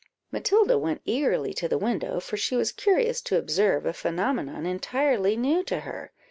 Matilda went eagerly to the window, for she was curious to observe a phenomenon entirely new to her.